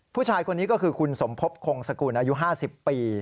ผู้ชายคนนี้ก็คือคุณสมภพคงสกุลอายุ๕๐ปี